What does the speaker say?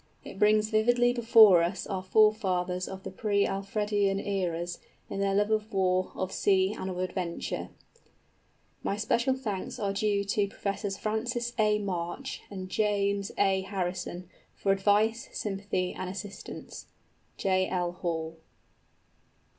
It brings vividly before us our forefathers of pre Alfredian eras, in their love of war, of sea, and of adventure. My special thanks are due to Professors Francis A. March and James A. Harrison, for advice, sympathy, and assistance. J.L.